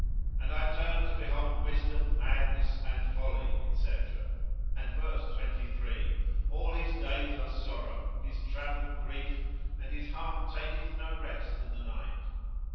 And I turned to behold wisdom, madness and folly, &c. And ver. 23: All his days are sorrow, his travel grief, and his heart taketh no rest in the night.